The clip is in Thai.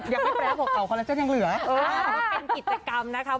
ยังไม่แป๊บหัวเข่า